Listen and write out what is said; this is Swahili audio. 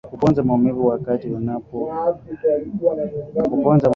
Hupoza maumivu wakati unapata jeraha huku ikiondoa maumivu ya misuli